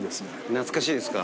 懐かしいですか？